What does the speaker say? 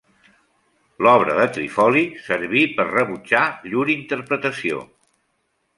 L'obra de Trifoli serví per rebutjar llur interpretació.